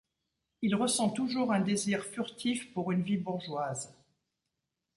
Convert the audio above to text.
Il ressent toujours un désir furtif pour une vie bourgeoise.